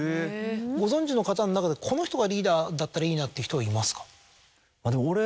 ご存じの方の中でこの人がリーダーだったらいいなっていう人はいますか？